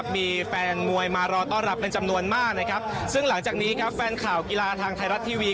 มีแฟนมวยมารอต้อนรับเป็นจำนวนมากนะครับซึ่งหลังจากนี้ครับแฟนข่าวกีฬาทางไทยรัฐทีวี